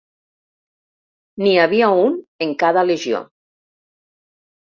N'hi havia un en cada legió.